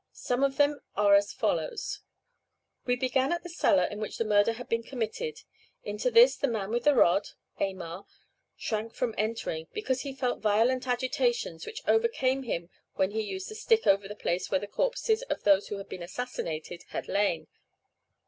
Some of them are as follows: "We began at the cellar in which the murder had been committed; into this the man with the rod (Aymar) shrank from entering, because he felt violent agitations which overcame him when he used the stick over the place where the corpses of those who had been assassinated had lain.